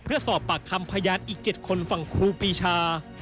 เพื่อสอบปากคำพยานอีก๗คนฝั่งครูปีชา